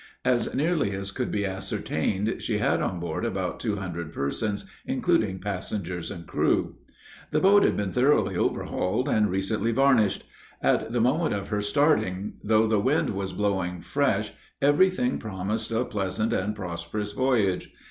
As nearly as could be ascertained, she had on board about two hundred persons, including passengers and crew. The boat had been thoroughly overhauled and recently varnished. At the moment of her starting, though the wind was blowing fresh, every thing promised a pleasant and prosperous voyage.